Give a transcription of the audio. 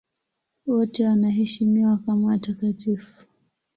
Wote wanaheshimiwa kama watakatifu.